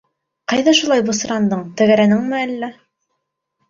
— Ҡайҙа шулай бысрандың, тәгәрәнеңме әллә?